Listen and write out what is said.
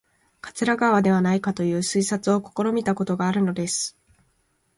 桂川ではないかという推察を試みたことがあるのです